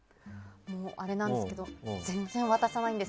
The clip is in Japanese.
あれなんですけど全然渡さないんです。